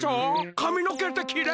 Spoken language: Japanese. かみのけってきれるの？